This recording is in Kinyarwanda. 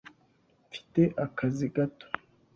Mfite akazi gato.